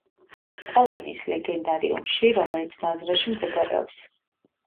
ტოლკინის ლეგენდარიუმში, რომელიც მაზრაში მდებარეობს.